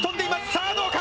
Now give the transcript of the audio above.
さあ、どうか。